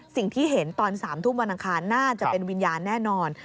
สิ่งที่เห็นตอน๓ทุ่มวันอังคารน่าจะเป็นวิญญาณแน่นอน